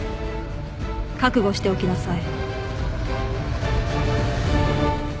覚悟しておきなさい。